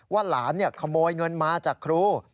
ว่าหลานขโมยเงินมาจากครู